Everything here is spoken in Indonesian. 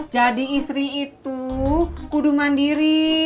jadi istri itu kuduman diri